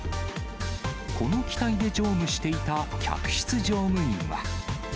この機体で乗務していた客室乗務員は。